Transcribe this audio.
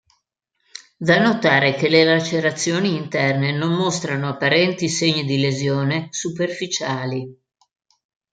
Da notare che le lacerazioni interne non mostrano apparenti segni di lesione superficiali.